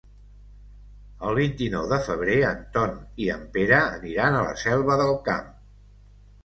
El vint-i-nou de febrer en Ton i en Pere aniran a la Selva del Camp.